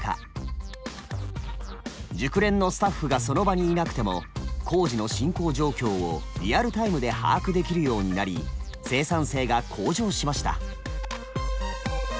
熟練のスタッフがその場にいなくても工事の進行状況をリアルタイムで把握できるようになり生産性が向上しました。